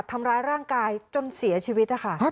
ทำร้ายร่างกายจนเสียชีวิตนะคะ